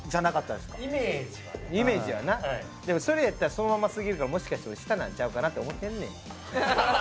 でもそれやったらそのまますぎるからもしかして俺下なんちゃうかなって思ってんねや。